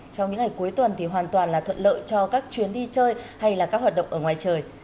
trong những ngày cuối tuần thì hoàn toàn là thuận lợi cho các chuyến đi chơi hay là các hoạt động ở ngoài trời